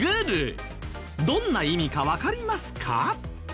どんな意味かわかりますか？